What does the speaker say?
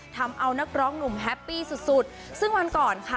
ทำเอานักร้องหนุ่มแฮปปี้สุดสุดซึ่งวันก่อนค่ะ